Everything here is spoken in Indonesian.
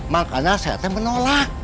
makanya saya rt menolak